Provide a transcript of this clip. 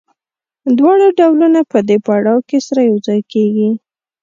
دواړه ډولونه په دې پړاو کې سره یوځای کېږي